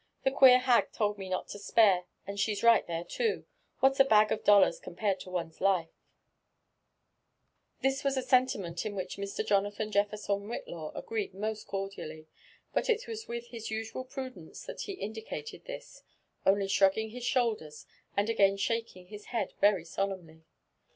The queer hag told me not to spare— and she's right there too,— what's a bag of dollars compared to one's life?". 114 LIFE AND ADVEBmiRBS OP Thii wu a aentiment id which Mr. Jonathan Jeifenon Whidaw agreed most cordially ; but it was with hia UMial prudence that ha indicated this ^ only dirugglng hia ahouldera, and again shaking his head very solemnly.